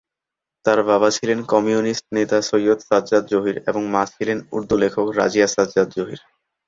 তারা বাবা ছিলেন কমিউনিস্ট নেতা সৈয়দ সাজ্জাদ জহির এবং মা ছিলেন উর্দু লেখক রাজিয়া সাজ্জাদ জহির।